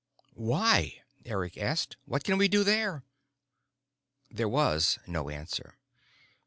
"Why?" Eric asked. "What can we do there?" There was no answer.